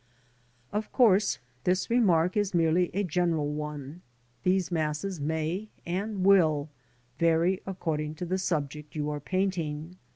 Of course this remark is merely a general one. These masses may, and will, vary according to the subject you are painting.